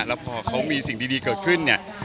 แล้วพอเขามีสิ่งดีเกิดขึ้นเนี่ย